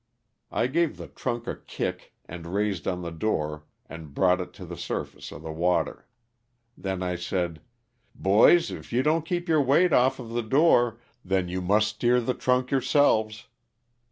I gave the trunk a kick and raised on the door and brought it to the surface of the water. Then I said, ''boys if you don't keep your weight off of the door, then you must steer the trunk yourseUes."